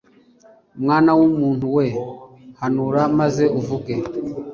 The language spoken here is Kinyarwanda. mwana w umuntu we hanura maze uvuge